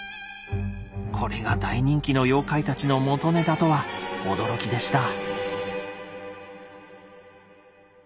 これが大人気の妖怪たちの元ネタとは驚きでした。